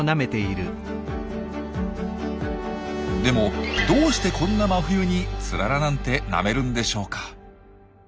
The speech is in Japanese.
でもどうしてこんな真冬にツララなんてなめるんでしょうか？